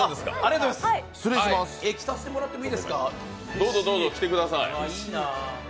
どうぞどうぞ着てください。